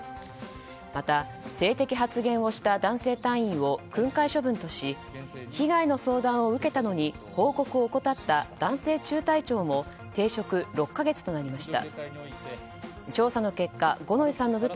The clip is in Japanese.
また性的発言をした男性隊員を訓戒処分とし被害の相談を受けたのに報告を怠った男性中隊長も停職６か月となりました。